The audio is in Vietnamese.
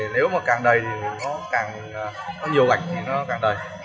nếu mà càng đầy thì nó càng có nhiều gạch thì nó càng đầy